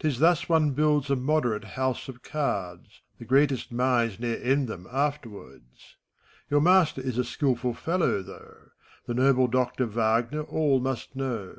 'T is thus one builds a moderate house of cards; The greatest minds ne'er end them, afterwards. Your master is a skilful fellow, though : The noble Doctor Wagner all must know.